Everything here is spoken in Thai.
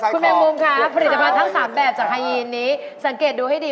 คุณแมงมุมค่ะผลิตภัณฑ์ทั้ง๓แบบจากฮายีนนี้สังเกตดูให้ดี